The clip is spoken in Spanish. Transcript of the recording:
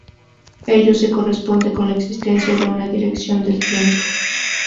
Ello se corresponde con la existencia de una dirección del "tiempo".